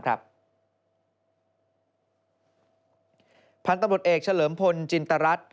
พันธุ์ตำรวจเอกเฉลิมพลจินตรรัฐ